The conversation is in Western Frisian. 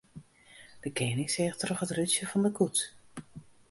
De kening seach troch it rútsje fan de koets.